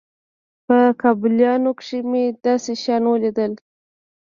په کابليانو کښې مې داسې شيان وليدل.